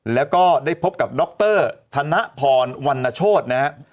แล้วก็ได้พบกับด็อกเตอร์ธนพรวันนโชฎนะครับ